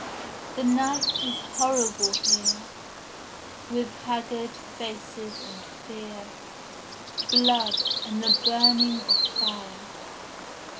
— The night is horrible here With haggard faces and fear, Blood, and the burning of fire.